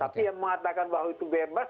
tapi yang mengatakan bahwa itu bebas